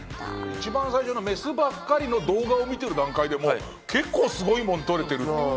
一番最初のメスばっかりの動画を見てる段階でも結構すごいもの撮れてるって思ってたら。